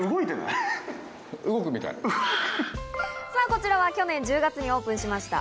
こちらは去年１２月にオープンしました、